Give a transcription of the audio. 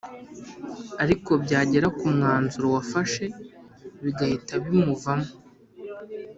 ariko byagera kumwanzuro yafashe bigahita bimuvamo